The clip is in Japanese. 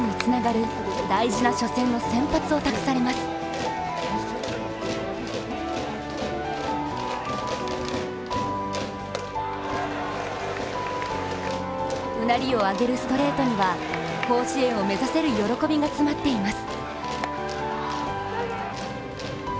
うなりを上げるストレートには甲子園を目指せる喜びが詰まっています。